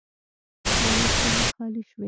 ښاري سیمې خالي شوې